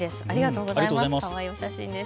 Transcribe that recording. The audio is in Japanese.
ありがとうございます。